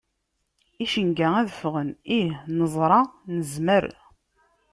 Icenga ad ffɣen, ih, neẓra nezmer.